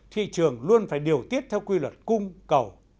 thị trường luôn phải điều tiết theo quy luật cung cầu